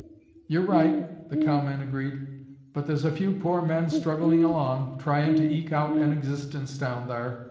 "You're right," the cowman agreed, "but there's a few poor men struggling along, tryin' to eke out an existence down thar.